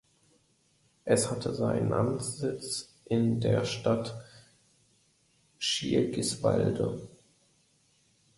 Es hatte seinen Amtssitz in der Stadt Schirgiswalde.